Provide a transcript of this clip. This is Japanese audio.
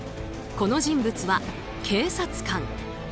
この人物は、警察官。